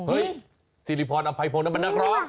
เฮ้ยสิริพรอภัยพรน้ำมันหน้ากร้อง